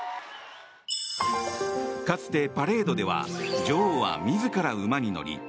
かつてパレードでは女王は自ら馬に乗り